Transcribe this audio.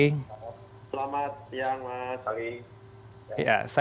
selamat siang mas ali